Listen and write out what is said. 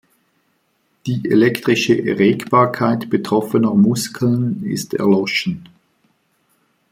Die elektrische Erregbarkeit betroffener Muskeln ist erloschen.